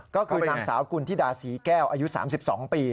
ก็คือนางสาวกุณฑิดาศรีแก้วอายุ๓๒ปี